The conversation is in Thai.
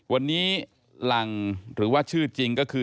วันนี้หลังหรือว่าชื่อจริงก็คือ